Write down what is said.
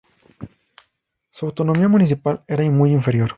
Su autonomía municipal era muy inferior.